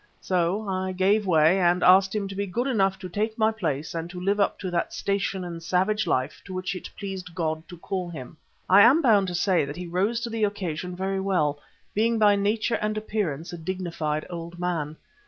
So I gave way and asked him to be good enough to take my place and to live up to that station in savage life to which it had pleased God to call him. I am bound to say he rose to the occasion very well, being by nature and appearance a dignified old man.